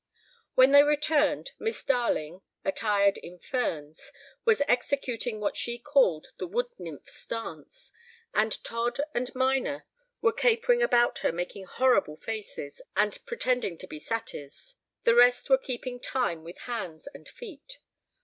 When they returned, Miss Darling, attired in ferns, was executing what she called the wood nymph's dance, and Todd and Minor were capering about her making horrible faces and pretending to be satyrs. The rest were keeping time with hands and feet.